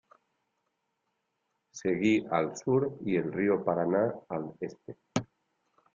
Seguí al sur y el río Paraná al este.